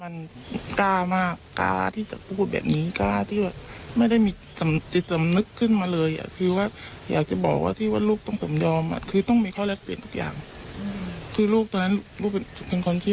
ลูกก็เลยยอมเดี๋ยวลูกคิดถึงแม่อยากมาเจอนี่